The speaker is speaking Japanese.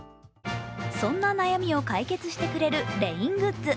そんな悩みを解決してくれるレイングッズ。